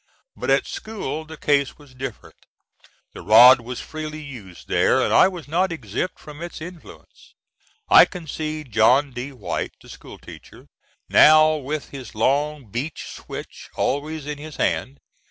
But at school the case was different. The rod was freely used there, and I was not exempt from its influence. I can see John D. White the school teacher now, with his long beech switch always in his hand.